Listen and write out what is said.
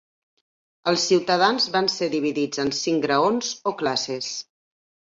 Els ciutadans van ser dividits en cinc graons o classes.